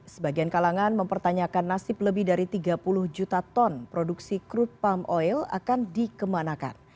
sebagian kalangan mempertanyakan nasib lebih dari tiga puluh juta ton produksi crude palm oil akan dikemanakan